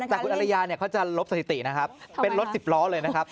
แต่คุณอริยาเนี่ยเขาจะลบสถิตินะครับเป็นรถสิบล้อเลยนะครับ